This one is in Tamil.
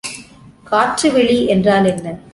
காற்றுவெளி என்றால் என்ன?